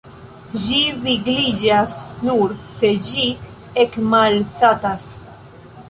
Ĝi vigliĝas nur, se ĝi ekmalsatas.